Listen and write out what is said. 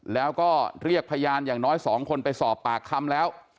แล้วก็เรียกพยานอย่างน้อย๒คนไปสอบปากคำแล้ว